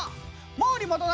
毛利元就